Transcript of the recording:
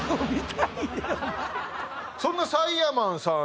そんなサイヤマンさん